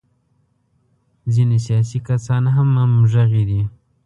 ځینې سیاسي کسان هم همغږي دي.